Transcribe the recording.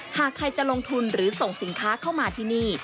หากใครจะลงทุนหรือส่งสินค้าเข้ามาที่นี่